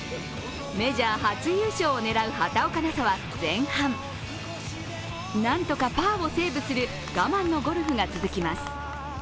メジャー初優勝を狙う畑岡奈紗は前半何とかパーをセーブする我慢のゴルフが続きます。